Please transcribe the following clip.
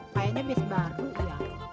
kayaknya bis baru ya